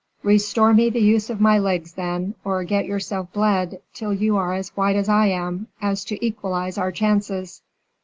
"Restore me the use of my legs, then, or get yourself bled, till you are as white as I am, so as to equalize our chances."